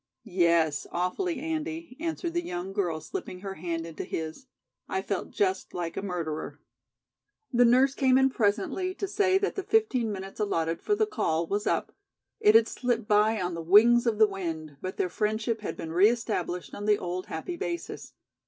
"Yes, awfully, Andy," answered the young girl, slipping her hand into his. "I felt just like a murderer." The nurse came in presently to say that the fifteen minutes allotted for the call was up. It had slipped by on the wings of the wind, but their friendship had been re established on the old happy basis.